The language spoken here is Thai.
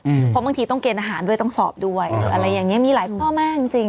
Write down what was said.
เพราะบางทีต้องเกณฑ์อาหารด้วยต้องสอบด้วยอะไรอย่างเงี้มีหลายข้อมากจริงจริง